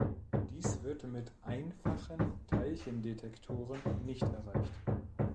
Dies wird mit einfachen Teilchendetektoren nicht erreicht.